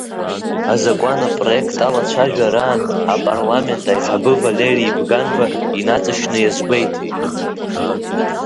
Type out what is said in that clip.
Азакәан апроект алацәажәараан, Апарламент аиҳабы Валери Бганба инаҵшьны иазгәеиҭеит…